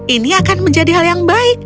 ini akan menjadi hal yang baik